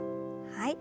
はい。